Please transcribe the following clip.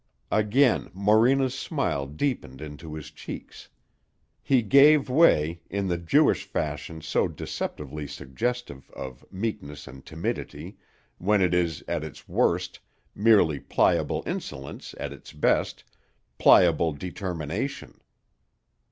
Again Morena's smile deepened into his cheeks. He gave way, in the Jewish fashion so deceptively suggestive of meekness and timidity, when it is, at its worst, merely pliable insolence, at its best, pliable determination.